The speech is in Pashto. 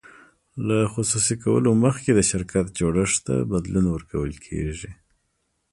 له خصوصي کولو مخکې د شرکت جوړښت ته بدلون ورکول کیږي.